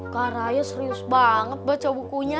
kak raya serius banget baca bukunya